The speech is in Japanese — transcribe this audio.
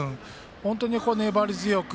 本当に粘り強く。